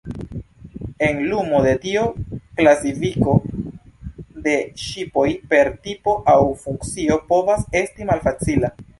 En lumo de tio, klasifiko de ŝipoj per tipo aŭ funkcio povas esti malfacila.